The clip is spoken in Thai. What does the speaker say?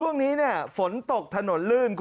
ตอนนี้ฝนตกถนนลื่น